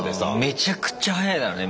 めちゃくちゃ速いだろうね